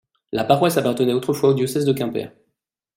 La paroisse appartenait autrefois au diocèse de Quimper.